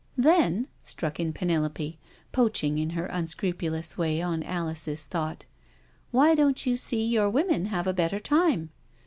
" Then,'* struck in Penelope, poaching in her unscru pulous way on Alice's thought, " why don't you see your women have a better time?